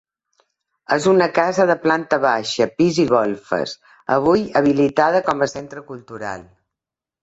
És una casa de planta baixa pis i golfes, avui habilitada com a centre cultural.